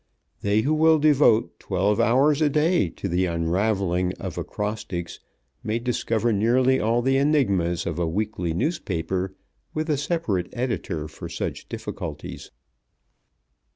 They who will devote twelve hours a day to the unravelling of acrostics, may discover nearly all the enigmas of a weekly newspaper with a separate editor for such difficulties.